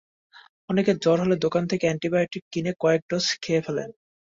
অনেকে জ্বর হলে দোকান থেকে অ্যান্টিবায়োটিক কিনে কয়েক ডোজ খেয়ে ফেলেন।